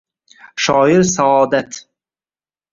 Shoir Saodat.